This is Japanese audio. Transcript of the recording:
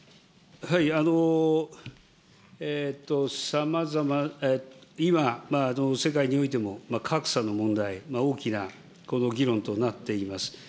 さまざま、今、世界においても格差の問題、大きなこの議論となっています。